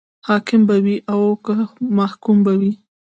حاکم به وي او که محکوم به وي.